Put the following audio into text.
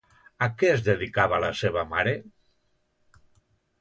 A què es dedicava la seva mare?